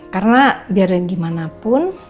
karena biar yang dimanapun